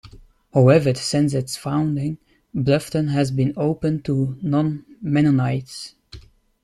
However, since its founding, Bluffton has been open to non-Mennonites.